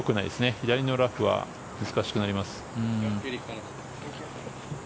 左のラフは難しくなります。